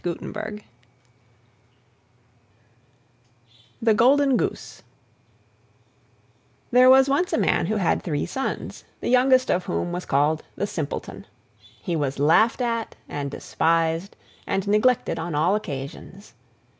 LONDON AND BRECCLES THE GOLDEN GOOSE There was once a man who had three sons, the youngest of whom was called the Simpleton. He was laughed at and despised and neglected on all occasions.